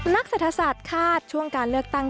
นักสถาสตร์คาดช่วงการเลือกตั้ง